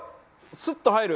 スッと入る！